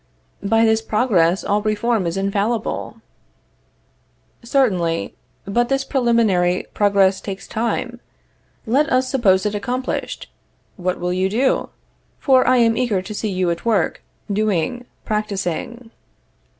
By this progress all reform is infallible. Certainly. But this preliminary progress takes time. Let us suppose it accomplished. What will you do? for I am eager to see you at work, doing, practicing.